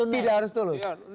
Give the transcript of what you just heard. tidak harus tulus